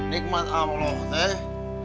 nikmat allah teh